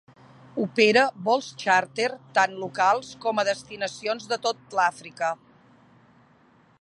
Opera vols xàrter tant locals com a destinacions de tot l'Àfrica.